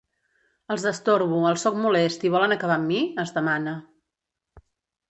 Els destorbo, els sóc molest, i volen acabar amb mi?, es demana.